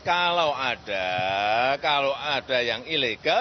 kalau ada kalau ada yang ilegal